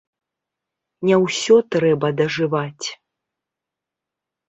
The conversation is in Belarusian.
Не ўсё трэба дажываць.